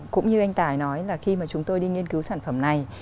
cũng như anh tài nói là khi mà chúng tôi đi nghiên cứu sản phẩm này